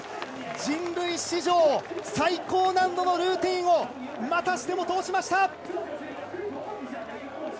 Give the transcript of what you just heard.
人類史上最高難度のルーティンをまたしても通しました！